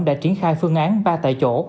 đã triển khai phương án ba tại chỗ